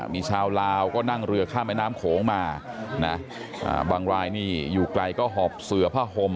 มีชาวลาวก็นั่งเรือข้ามแม่น้ำโขงมานะบางรายนี่อยู่ไกลก็หอบเสือผ้าห่ม